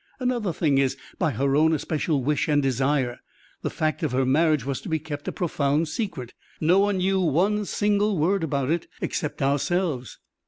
Another thing is, by her own especial wish and desire, the fact of her marriage was to be kept a profound secret; no one knew one single word about it except ourselves."